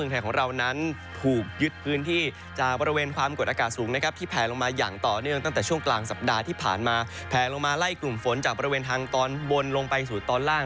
ต่อเนื่องตั้งแต่ช่วงกลางสัปดาห์ที่ผ่านมาแผลลงมาไล่กลุ่มฝนจากบริเวณทางตอนบนลงไปสู่ตอนล่าง